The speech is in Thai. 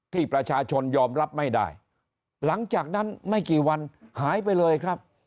ที่ประชาชนยอมรับไม่ได้หลังจากนั้นไม่กี่วันหายไปเลยครับ